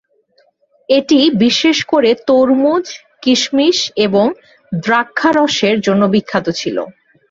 এটি বিশেষ করে তরমুজ, কিশমিশ এবং দ্রাক্ষারসের জন্য বিখ্যাত ছিল।